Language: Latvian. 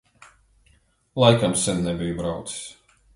Laikam sen nebiju braucis.